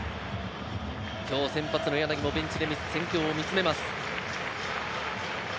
今日先発の柳もベンチで戦況を見つめます。